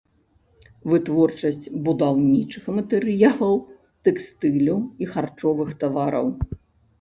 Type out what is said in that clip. Вытворчасць будаўнічых матэрыялаў, тэкстылю і харчовых тавараў.